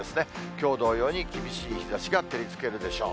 きょう同様に、厳しい日ざしが照りつけるでしょう。